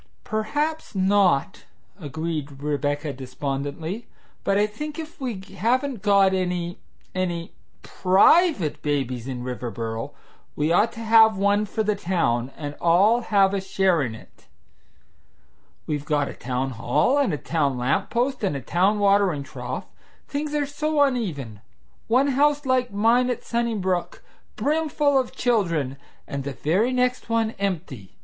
"Perhaps not," agreed Rebecca despondently, "but I think if we haven't got any any PRIVATE babies in Riverboro we ought to have one for the town, and all have a share in it. We've got a town hall and a town lamp post and a town watering trough. Things are so uneven! One house like mine at Sunnybrook, brimful of children, and the very next one empty!